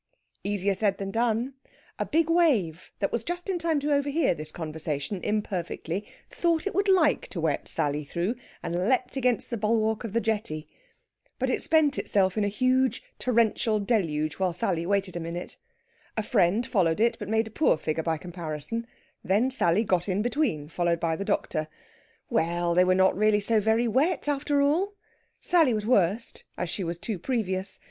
Easier said than done! A big wave, that was just in time to overhear this conversation imperfectly, thought it would like to wet Sally through, and leaped against the bulwark of the jetty. But it spent itself in a huge torrential deluge while Sally waited a minute. A friend followed it, but made a poor figure by comparison. Then Sally got in between, followed by the doctor.... Well! they were really not so very wet, after all! Sally was worst, as she was too previous.